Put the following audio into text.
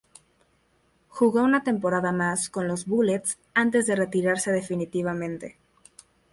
Jugó una temporada más con los Bullets, antes de retirarse definitivamente.